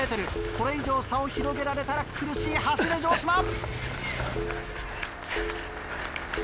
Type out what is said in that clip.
これ以上差を広げられたら苦しい走れ城島！